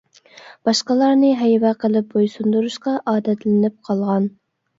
باشقىلارنى ھەيۋە قىلىپ بويسۇندۇرۇشقا ئادەتلىنىپ قالغان.